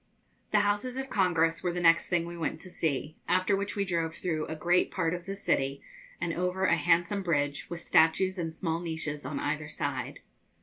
The Houses of Congress were the next thing we went to see, after which we drove through a great part of the city and over a handsome bridge with statues and small niches on either side.